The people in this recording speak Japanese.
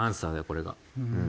これが。